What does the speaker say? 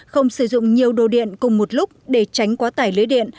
không sử dụng nhiều đồ điện cùng một lúc để tránh quá tải lưới điện